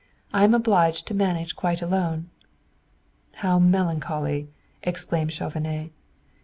I am obliged to manage quite alone." "How melancholy!" exclaimed Chauvenet.